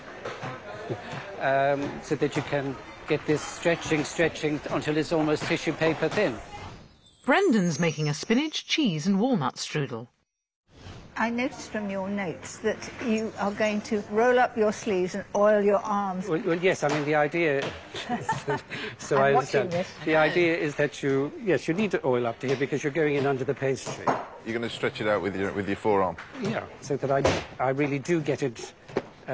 はい。